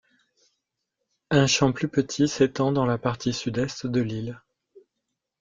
Un champ plus petit s'étend dans la partie sud-est de l'île.